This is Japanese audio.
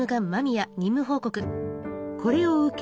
これを受け